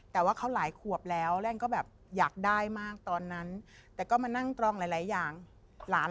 ทำไมไม่ได้รับเด็กมาเลี้ยงลน